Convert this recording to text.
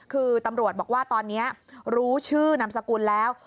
คือตำรวจบอกว่าตอนนี้รู้ชื่อนามสกุลแล้ว